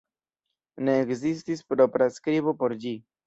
Ne ekzistis propra skribo por ĝi.